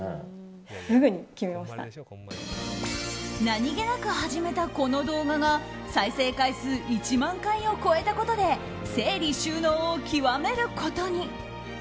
何気なく始めたこの動画が再生回数１万回を超えたことで整理収納を極めることに。